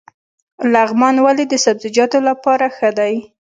لغمان ولې د سبزیجاتو لپاره ښه دی؟